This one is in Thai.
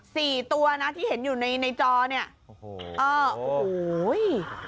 สี่ตัวที่เห็นอยู่ในจอเนี่ย